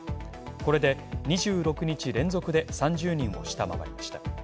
これで２６日連続で３０人を下回りました。